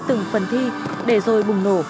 từng phần thi để rồi bùng nổ